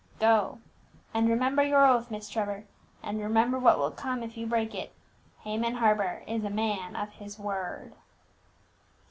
Go, and remember your oath, Miss Trevor; and remember what will come if you break it. Haman Harper is a man of his word!"